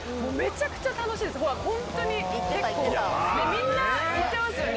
みんな行ってますよね。